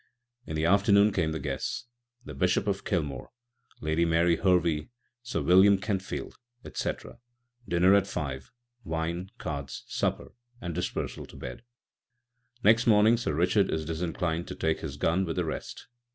In the afternoon came the guests â€" the Bishop of Kilmore, Lady Mary Hervey, Sir William Kentfield, etc. Dinner at five, wine, cards, supper, and dispersal to bed. Next morning Sir Richard is disinclined to take his gun, with the rest.